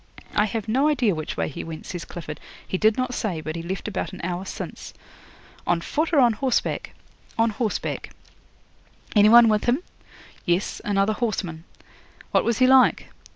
'"I have no idea which way he went," says Clifford. "He did not say, but he left about an hour since." '"On foot or on horseback?" '"On horseback." '"Any one with him?" '"Yes, another horseman." '"What was he like?"